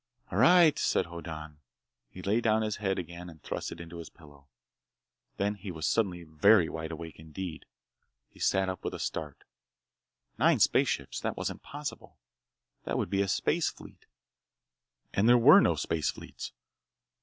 "All right," said Hoddan. He lay down his head again and thrust it into his pillow. Then he was suddenly very wide awake indeed. He sat up with a start. Nine spaceships? That wasn't possible! That would be a space fleet! And there were no space fleets!